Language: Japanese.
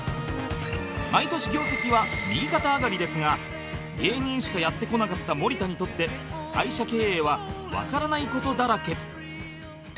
毎年業績は右肩上がりですが芸人しかやってこなかった森田にとって会社経営はわからない事だらけ